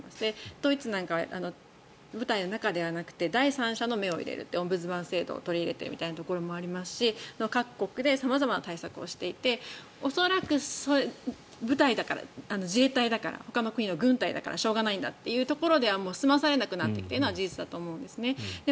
ドイツなんかは部隊の中ではなくて第三者の目を入れるオンブズマン制度を取り入れているというのもありますし各国で様々な対策をしていて恐らく部隊だから、自衛隊だからほかの国の軍隊だからしょうがないということでは済まされなくなってきていることは事実だと思うんですね。